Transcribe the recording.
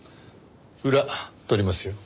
裏取りますよ？